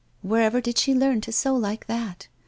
Wherever did she learn to sew like that